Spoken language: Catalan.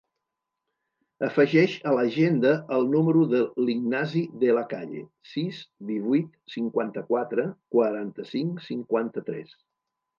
Afegeix a l'agenda el número de l'Ignasi De La Calle: sis, divuit, cinquanta-quatre, quaranta-cinc, cinquanta-tres.